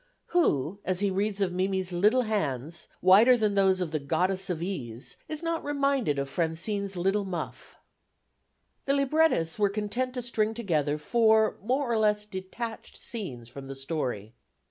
Who as he reads of Mimi's little hands, whiter than those of the Goddess of Ease, is not reminded of Francine's little muff?" The librettists were content to string together four more or less detached scenes from the story.